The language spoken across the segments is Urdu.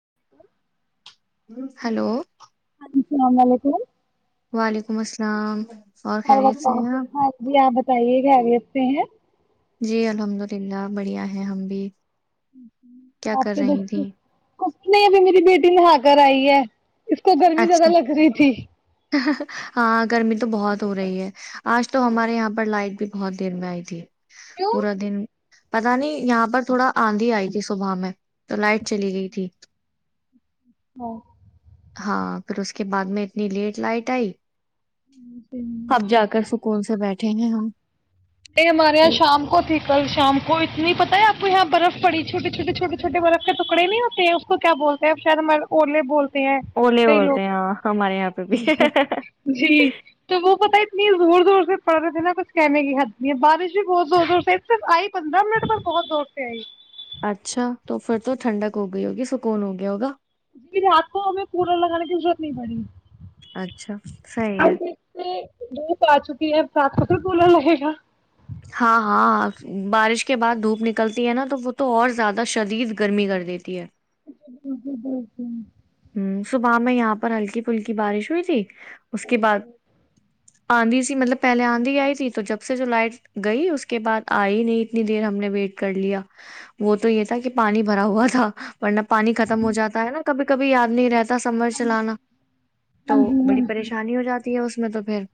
[inaudible] ہلو [inaudible] وعلیکم السلام اور خیریت بتاؤ صحب ہاں جی آپ بتائیے کہ آگتے ہیں جی الحمد للہ بڑھیا ہے ہم بھی کیا کر آپے رہی تھی بچے ک نہیں اب میری بیٹی نہ ہا کر آئی ہے اس کو گرمی زیادہ اچھا لگ رہی تھی ہاں گرمی تو بہت ہو رہی ہے آج تو ہمارے یہاں پر لائٹ بھی بہت دیر میں آئی تھی کیوں پورا دن پتا نہیں یہاں پر تھوڑا آندھی آئی تھی صبح میں تو لائٹ چلی گئی تھی ہو ہاں پھر اس کے بعد میں اتنی لیٹ لائٹ آئی اب نہیں جا کر س اسکول سے بیٹھے ہیں ہم یہ ہمارے یہاں شام کو تھی کل شام کو اتنی پت ہے آپ تو یہاں برف پڑی چوے چھوے چھوے چھوٹےر کے ٹکڑے نہیں ہوتے ہیں اس کو کیا بولتے ہیں شاید بولے بول اوولے بولتے ہاں ہمارے یہاں پہ بھی لوگ نہیں دور دور سے پڑ رہ تھ نا کچ کیمے کی حد یہ بارش بھی بہت زور زور سےف آئی پندرہ منٹ پر بہت دور سے آئی اچھا تو پھر تو ٹھنڈک ہو گئی ہوگی سکون ہو گیا ہوگا جی رات کو ہمیں کوورر لگانے کی ضرورت نہیں پڑی اچھا صحیح ہم ہے سے لوپ آ چکی ہے سات کو تو بلا مہیشہ ہاں ہاں بارش کے بعد دھوپ نکلتی ہے نا تو وہ تو اور زیادہ شدید گرمی کر دیتی ہے جی جی بالک صبح میں یہاں پر ہلکی پھلکی بارش ہوئی تھی اس کے بعد آندھی سی مطلب پہلے آندھی آئی تھی تو جب سے جو لائٹ گئی اس کے بعد آئی نہیں اتنی دیر ہم نے ویٹ کر لیا وہ تو یہ تھا کہ پانی بھرا ہوا تھا ن پانی ختم ہو جاتا ہے نا کبھی بھی یاد نہیں رہتا سمر چلانا ہاں تو جی ہاں بڑی جی پریشانی ہو جاتی اس میں تو پھر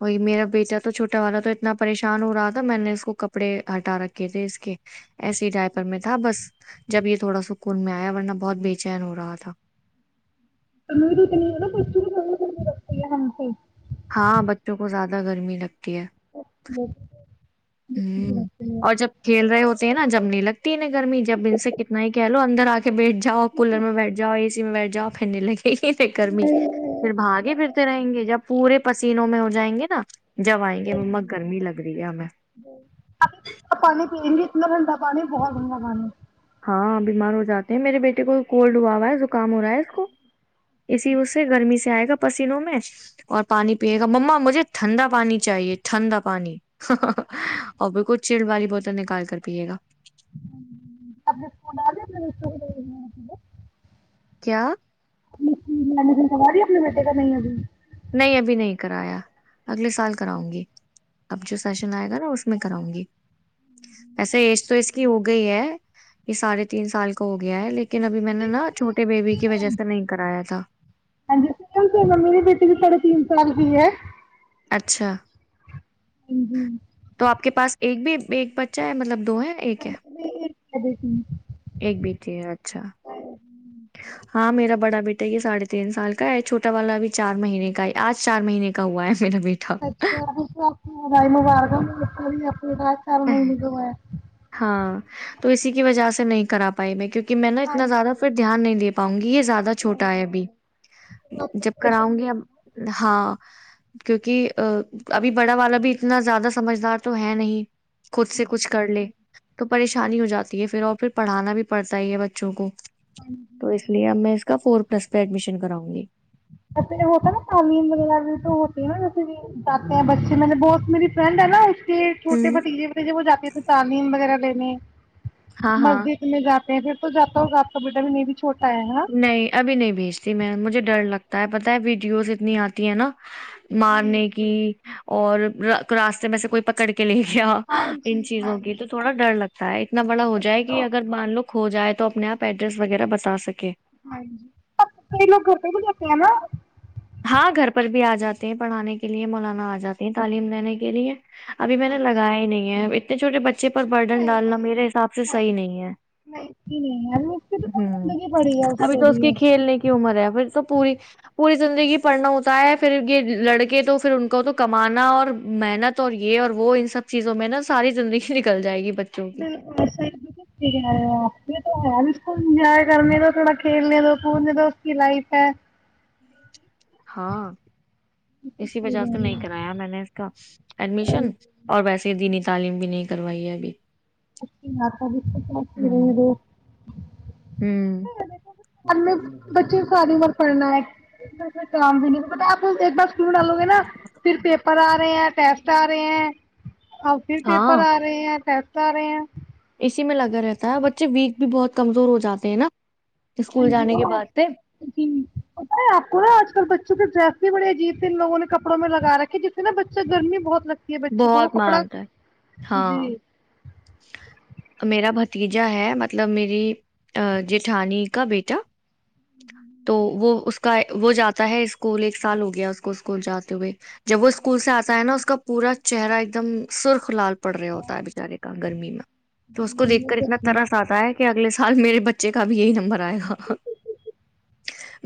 وہی میرا بیٹا تو چھوٹا والا تو اتنا پریشان ہو رہا تھا میں نے اس کو کپڑے ہٹا رکھے تھے اس کے ایس ڈائپر میں تھا بس جب یہ تھوڑا سکون میں آیا ورنہ بہت بی چین ہو رہا تھا تم توتنیا پ ر ہے ہاں پ ہاں بچوں کو زیادہ گرمی لگتی ہے [inaudible] اور جب کھیل رہے ہو تو سے نا جمنے لگ تین گرمی جب ان سے کتنا ہی کیا و اندر آ کے ب بیٹھ جا کولر میں بیٹھ جاؤ اےی میں بیٹ جاؤ پھیھرنے لگے س کررمی پھر بھاگے پھرتے رہیں گے جب پورے پسینوں میں ہو جائیں گے نا جیں گے مما گرمی لگ رہ ہے میںیں ج پانی پئیں گے اتنا ٹھڈا پانی بہت ٹنڈا پانی ہاں بیمار ہو جاتے ہیں میرے بیٹے کو کولڈ ہوا ہوا ہے کام ہو رہا ہے اس کو اسی اس سے گرمی سے آئے گا پسینوں میں اور پانی پیے گا ما مجھے ٹھنندا پانی چاہیے ٹھنندا پانی اور بالکل چل والی بوتل نکال کر پیے گا نے پکول آ اپنے ر ل کیا م من کای اپنے بیٹے کا نہیں ابھی نہیں ابھی نہیں کرایا اگلے سال کراؤں گی اب جو سیشن آئے گا نا اس میں کراؤں گی ایسا ایج تو اس کی ہو گئی ہے یہ ساڑھے تین سال کا ہو گیا ہے لیکن یکن ابھی میں نے نا چھوٹے بیبی کی وجہ سے نہیں کرایا تھا ہاں جی س سے ممییری بیٹی بھی سڑے تین سال ہو ہے اچھا ج جی تو آپ کے پاس ایک بھی ایک بچہ ہے مطلب دو ہے ایک ہے اے ہی ایک بیٹی اچھا ہاں میرا بڑا بیٹا یہ ساڑھے تین سال کا ہے چھوٹا والا بھی چار مہینے کا ہے آج چار مہینے کا ہوا ہے میرا بیٹا اچھا تو رائی مبارک ہم م پ رات چار مہنے جو ہے ہاں تو اسی کی وجہ سے نہیں کرا پائی میں کیونکہ کہ میں نے ہاں اتنا زیادہ جی پھر دھیان نہیں دیا پنگ یہ زیادہ نہیں چھوٹا ہے ابھی نہیں جب کراؤں گی اب ہاں کیونکہ ا ابھی بڑا والا بھی اتنا زیادہ سمجدار تو ہے نہیں خچود سے کچھ کر لے تو پریشانی ہو جاتی ہے پھر اور پھر پڑھانا بھی پڑتا ہی ہے بچوں کو تو اس لیے ا میں اس کا فور پلس پہ ایڈمیشن کراؤں گی [unintelligible] چھوٹے ہوں بتیجے بتیجے وہ جاتے تھے تالین وغیرہ لینے [unintelligible] ہاں ہاں پھر تو جاتا ہو جاتا بیٹا بھی نہیں بھی چھوٹا ہے نا نہیں ابھی نہیں بھیجتی میں مجھے ڈر لگتا ت پتتا ہے ویڈیوز اتنی آتی ہے نا مارنے کی اور راستے میں سے کوئی پکڑ کے کے لے کیا ہاں ان جی ہاں چیزوں کی تو جی تھوڑا ڈر لگتا ہے اتنا بڑا ہو جائے کہ اگر مان لوگ کو جائے تو اپنے آپ ایڈریس وغیرہ بتا سکے ہاں جی آ کئی لوگ گھر پہ بھی جتےے ہیں نا ہاں گھر پر بھی آ جاتے ہیں پڑھانے کے لیے مولانا آ جاتے ہیں تعلیم دینے کے لیے ابھی میں نے لگایا ہی نہیں ہے چھٹےچے بچے پر برڈن نہیں ڈالنا میرے حساب سے صحیح نہیں ہے نہیں نہیں نہیں ابھی اس کی تو کوئی ہ زندگی پڑی ہے ابھی کے تو اس کی لیے کھیلنے کی عمر ہے پھر تو پوری پوری زندگی پڑھنا ہوتا ہے پھر یہ لڑکے تو پھر ان کو تو کمانا اور محنت اور یہ اور وہ ان سب چیزوں میں نا ساری زندگی نکل جائے گی بچوں [unintelligible] کی انجوائے کرنے تو تھوڑا کھیلنے دو کودنے تو اس کی لائف ہے ہاں بالکل اسی صحیح وجہ سے کہہ تو رہی نہیں کرایا میں نے اس کا ہو ایڈمیشن اور ویسے ہی دیینی تھی تعلیم بھی نہیں کروائی ہے ابھی ہوں ہوں [unintelligible] ال میں بچے کو ساری بار پڑھنا ہے کوئی کام بھی نہیں ہوتا آپ ایک بار اسکول ڈالو گے نا پھر پیپر آ رہے ہیں ٹیسٹ آ رہے ہیں اور پھر پیپر ہاں آ رہے ہیںپ [inaudible] اسی میں لگا رہتا ہے بچے ویک بھی بہت کمزور ہو جاتے ہیں نا [inaudible] اسکول جانے کے بعد سے پتہ ہے اج آپکو اج کل بچھو کے [inaudible] ہاں جی بڑے عجیب سے ان لوگ نے کپڑوں میں لگا رکھ جسےا بچہ گرمی بہت لگ ہاں [inaudible] بہت مانتا ہے جی میرا بھتیجا ہے مطلب میری جیٹھانی کا بیٹا تو وہ اس کا وہ جاتا ہے اسکول ایک سال ہو گیا اس کو اسکول جاتے ہوئے جب وہ اسکول سے آتا ہے نا اس کا پورا چہرہ ایک دم سرخ لال پڑ رہے ہوتا ہے بچارے گرمی میں تو اس کو دیکھ کر اتنا ترس آتا ہے کہ آ اگے سال میرے بچے کا بھی یہی نمبر آئے گا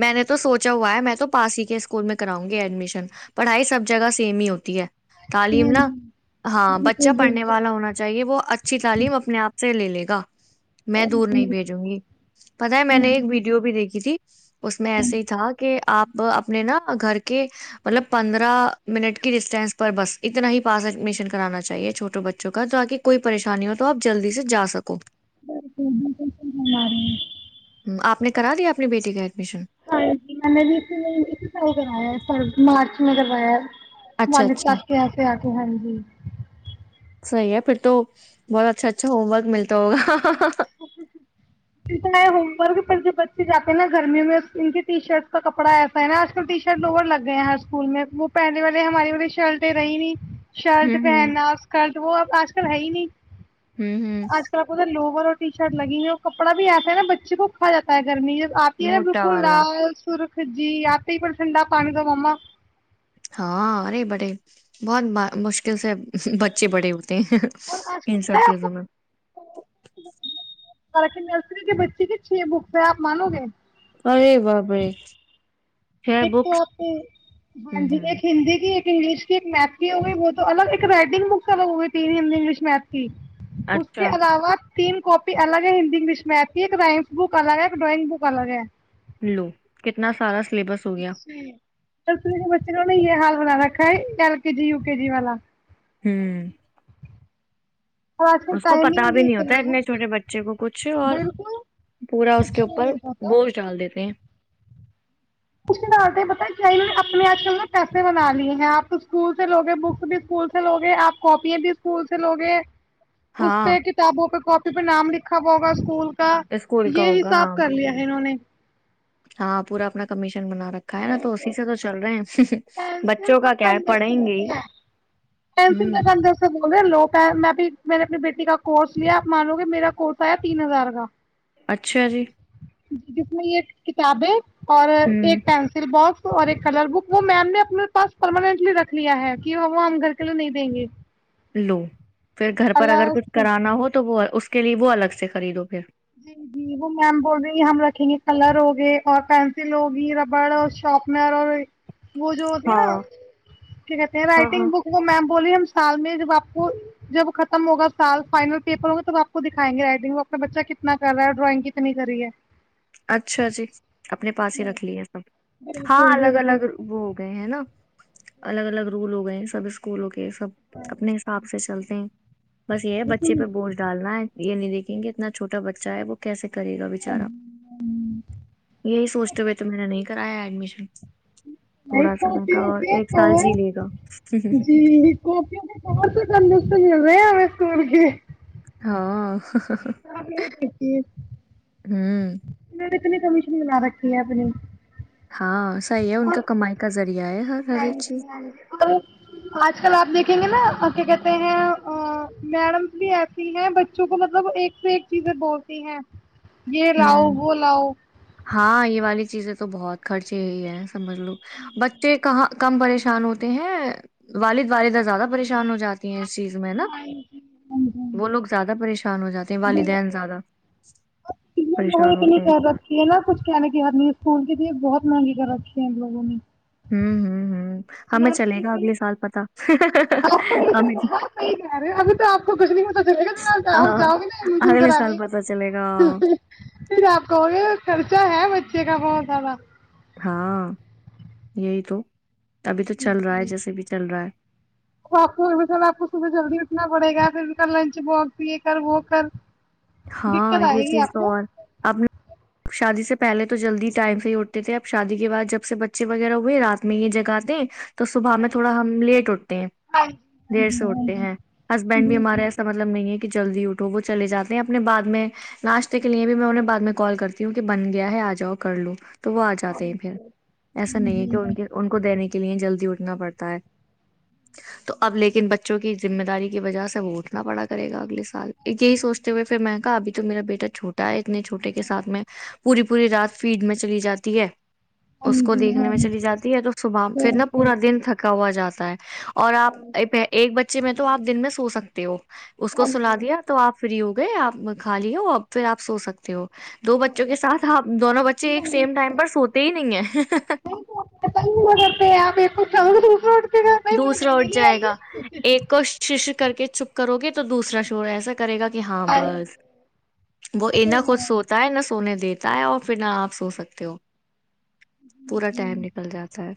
میں نے تو سوچا ہوا ہے میں تو پاس ہی کے اسکول میں کراؤں گی ایڈمیشن پڑھائی سب جگہ سیم ہی ہوتی ہے تعلیم ہاں جی نہا ہاں بچہ بالکل پڑھنے بالکل والا ہونا وہ اچھی تعلیم اپنے آپ سے لے لے گا میں دور جی نہیں بھیجوں گی پتاہ ہے میں ہاں نے ایک ویڈیو بھی دیکھی تھی اس میں ایسے ہی تھا کہ آپ اپنے نا گھر کے مطلب پندرہ منٹ کی ڈسٹینس پر بس اتنا ہی پاس ایڈمیشن کرانا چاہیے چھوٹو بچوں کا تاکہ کوئی پریشانی ہو تو آپ جلدی سے جا سکو [inaudible] [inaudible] آپ نے کرا دیا اپنی بیٹی کا ایڈمیشن ہاں جی میں نے بھی اس اس سال کرایا ہے مارچ میں [inaudible] [inaudible] اچھا ولید اچھا صاحب کے آتے آ کے ہاں جی [inaudible] صحیح ہے پھر تو بہت اچھا اچھا ہوم ورک ملتا ہوگا ہوم ورک پھر جب بچے جاتے ہیں گرمیوں میں سکن کے ٹی شرٹس کا کپڑا ایسا ہے نا اج کل ٹی شر لگ گئے ہیں سکول میں وہ پہلے والے ہماری والی شرٹیں رہی نہیں شرٹ ہوں ہوں پہنا اسکرٹ وہ اب آج کل ہے ہی نہیں ہوں ہوں [inaudible] آج کل آپ اگر ٹی شرٹ لگی ہو کپڑا بھی ایسا ہے نا بچے کو کھا جاتا ہے گرمی آتی ہے نا موٹا بالکل والا لال سرخ پھر جی اتے ہی پھر ٹھنڈا پانی کا ماما ہاں ارے بڑے بہت مشکل سے بچے بڑے ہوتے ہیں [inaudible] اور اج کل ان پتہ سب ہے اپ چیزوں کو میں اور ایسے نرسری کے بچے کے چھ بکس ہیں آپ مانو گے ارے باپ رے خیر ایک تو بک آپ ہاں ہوں جی ہوں ایک ہند کی ایک انگلش کی ایک میت کی ہو گئی وہ تو الگ ایک رائڈنگ بکس الگ ہو گئی تین ہی انگلش میھ کی اس کے اچھا علاوہ تین کاپی الگ ہے ہندی انگلش میں آتی ہے ایک رائمس بک الگ ہے ایک ڈرائنگ بک الگ ہے لو کتنا سارا [unintelligible] سلیبس ہو گیا تو کے بچے نے یہ حال بنا رکھا ہے ایل کے جی و کے جی والا ھمم اور آج کل اس کو پتا ٹائمنگ بھی نہیں ہوتا اتنا ہے اتنے چھوٹے بچے کو کچھ اور بالکل پورا اس کچھ کے نہیں اوپر نہیں پتا بوجھ ڈال دیتے ہیں کچھ ڈال بت کیا اپنے آج کل میں پیسے بنا لیے ہیں آپ تو اسکول سے لوگے بکس بھی اسکول سے لوگے آپ کاپی بھی اسکول سے لوگے اس ہاں پہ کتابوں پہ کاپی پھر نام لکھا پ ہوگا اسکول کا اسکول کا یہ ہوگا حساب ہاں کر لیا ہے انہوں نے ہاں پورا اپنا کمیش بنا رکھا ہے نا تو اسی سے تو چل رہے ہیں ل بچوں کا کیا ہے پسل پڑھیں گے ہی ہوں کا ک سے بول رہ لو پ میں بھی م نے اپنی بیٹی کا [unintelligible] کورس لیا آپ مانو گے میرا کورس آیا تین ہزار کا اچھا جی جی جس میں یہ کتاب ہے اور ہوں ایک پینسل باکس اور ایک کلر بک وہ میم نے اپنے پاس پرماننٹلی رکھ لیا ہے کہ وہ ہم گھر کے لیے نہیں دیں گے لو پھر گھر پر اگر کلر کچھ کرانا ہو تو وہ اس اس کے لیے وہ الگ سے خریدو پھر جی جی وہ میم بول رہی ہم رکھیں گے کلر ہوگے اور پینسل ہوگی ربڑ اور شارپنر اور وہ جو ہوتی ہے ہاں نا کیا کہتے ہیں ہاں ہاں رائٹنگ بک وہ میم بولی ہم سال میں جب آپ کو جب ختم ہوگا سال فائنل پیپر ہوگا تب آپ کو دکھائیں گے رائڈنگ اپنے بچہ کے کتنا کر رہا ہے ڈرائنگ کتنی کری ہے اچھا جی اپنے پاس ہی جی رکھ لیے سب ہاں بالکل الگ الگ بالکل وہ ہو گئے ہیں نا الگ الگ رول ہو گئے سب اس کوکولو کے [unintelligible] یہ سب اپنے حساب سے چلتے ہیں بس یہ ہے بچے بالکل پہ بوجھ ڈالنا ہے یہ نہیں دیکھ گے اتنا چھوٹا بچہ ہے وہ کیسک کرے گا بچارا یہی سوچتے بیئے تو میر نےا نہیں کرا ہے ایڈمیشن تھوڑا سا میں کاپیوں کہا اور کے ایک سال جی لے گا ک جی کاپیوں کے ک ندستل رہے ا اسکول کی ہاں ہاںک ہوں [unintelligible] کتنی کمیشن بنا رکھی ہے اپنی ہاں صحیح ہے ان اور کا کمائی کا ذریعہ ہے ہر ہر ہاں ایک چیز جی ہاں جی کو آج کل آپ دیکھیں گے نا کیا کہتے ہیں میڈمس بھی ایسی ہیں بچوں کو مطلب ایک سے ایک چیزیں بولتی ہیں یہ لاؤ ہوں وہ لاؤ ہاں یہ والی چیزیں تو بہت خرچے ہی ہے سمجھ لو بچے کہاں کم پریشان ہوتے ہیں والد والدہ زیادہ پریشان ہو جاتے اس چیز میں نا وہ لوگ زیادہ پریشان ہو جاتے ہیں والدین زیادہ ات لوگ پریشان کہ نہیں ہوتے ہیں کہہ رتی ہے ن کچ کہنے کی کرنی اسکول کے لیے بہت مہنگی کر رکھی ہیں ان لوگوں نے ہوں ہوں ہوں ہمیں چلے گا اگلے سال پت کہ رہے ابھی تو آپ کو کچھ نہیں پتا چلے گا جؤ ہاں جاؤ گے نا ایڈمیشن اگلے سال کرانے پتا چلے گا پھر آپ کہو گے خرچہ ہے ے کا بہت سالات ہاں یہی تو ابھی تو چل رہا ہے جیسے بھی چل رہا ہے آپ بھی سر آپ کو صبح جلدی اٹھنا پڑے گا پھر بھی لنچ باکس بھی یہ کر وہ کر ہاں دقت یہ آئے گی چیز آپ تو کو اور آپ نے شادی سے پہلے تو جلدی ٹائم سے ہی اٹتے تھے اب شادی کے بعد جب سے بچے وغیرہ ہوئےات میں یہ جگاتے تو صبح میں تھوڑا ہم لیٹ اٹھتے ہیں ہاں جی دیر سے ہاں اٹھتے جی ہاں جی ہیں جی ہسبینڈ بھی جی ہمارا ایسا مطلب نہیں ہے کہ جلدی اٹھو وہ چل جاتے ہیں اپنے بد میں ناشتے کے لیے بھی میں انہیں بع میں کال کرتی ہ کیونکہ بن گیا ہے آ جاؤ کر لو تو وہ آ جاتے ہیں پھر ایسا نہیں ہے جی کہ ان کے ان کو دینے کے لے جلدی اٹھنا پڑتا ہے تو اب لیکن بچوں کی ذمہ داری کی وجہ سے وہ اٹنا پڑا کرے گا اگلے سال س یہی سوچتے ہوئے پھر میں گا بھی تو میرا بیٹا چھوٹا ہے اتنے چھوے کے ساتھ میں پوری پوری رات فیڈ میں چلی جاتی ہے ہاں اس کو جی دیکھنے ہاں میں چلی جی جاتی ہے تو صبح پھر نا بالکل پورا دن تھک ہوا جاتا ہے اور اور آپ ایک ب بچے میں توپ دن میں سو سکتے ہو اس کو سنا دیا تو آپ فری ہو گئے آپ خالی ہو پھر آپ سو سکتے ہو دو بچوں کے ساتھ دونوں بچے ایک سیم ٹائم پر سوتے ہی نہیں ہیں ش ہموں تو دوسرا اٹھ جائے گا ایک اور شش کر کے چپ کرو گے تو دوسرا شور ایسا کرے گا کہ ہاں بس وہ انا کھ سوتا ہے نہ سو سونے دیتا ہے اور پھر نہ آپ سو سکتے ہو پورا ٹائم نکل جاتا ہے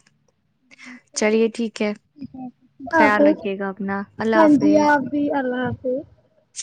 چلیے ٹھیک ہے آف خیال رکھیے گا اپنا اللہ ہاں جی آپ بھی اللہ حافظ س